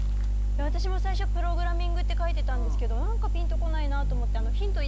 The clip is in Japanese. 私も最初プログラミングって書いてたんですけど何かピンとこないなと思ってあっ！